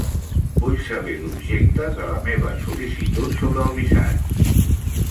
Vull saber l'objecte de la meva sol·licitut sobre el visat.